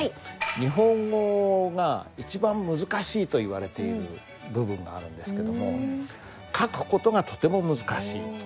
日本語が一番難しいといわれている部分があるんですけども書く事がとても難しい。